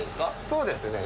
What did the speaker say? そうですね。